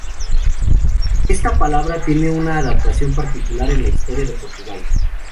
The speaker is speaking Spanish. Esta palabra tiene una acepción particular en la historia de Portugal.